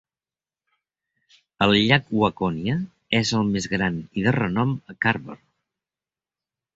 El llac Waconia és el més gran i de renom a Carver.